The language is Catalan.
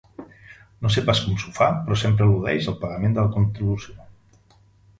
No sé pas com s'ho fa, però sempre eludeix el pagament de la contribució!